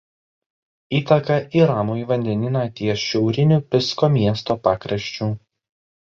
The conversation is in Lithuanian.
Įteka į Ramųjį vandenyną ties šiauriniu Pisko miesto pakraščiu.